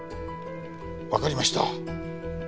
わかりました。